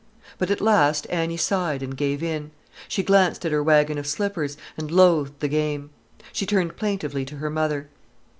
But at last Annie sighed, and gave in. She glanced at her waggon of slippers, and loathed the game. She turned plaintively to her mother.